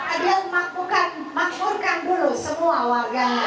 agar makmurkan dulu semua warganya